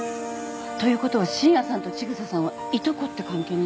ということは信也さんと千草さんはいとこって関係になるの？